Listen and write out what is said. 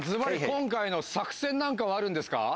今回の作戦なんかはあるんですか？